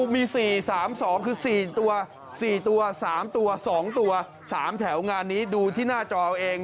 มี๔๓๒คือ๔ตัว๔ตัว๓ตัว๒ตัว๓แถวงานนี้ดูที่หน้าจอเอาเอง